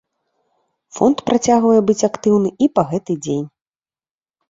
Фонд працягвае быць актыўны і па гэты дзень.